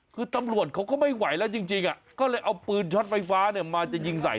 คือตำรวจเขาก็ไม่ไหวแล้วจริงก็เลยเอาปืนช็อตไฟฟ้าเนี่ยมาจะยิงใส่